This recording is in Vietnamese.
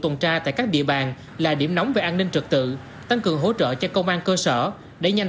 tài sản tại các địa bàn là điểm nóng về an ninh trực tự tăng cường hỗ trợ cho công an cơ sở để nhanh